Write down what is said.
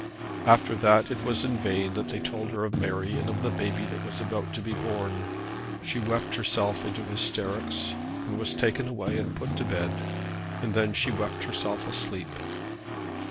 After that it was in vain that they told her of Mary and of the baby that was about to be born. She wept herself into hysterics, was taken away and put to bed; and then soon wept herself asleep.